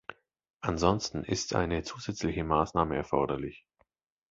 Ansonsten ist eine zusätzliche Maßnahme erforderlich.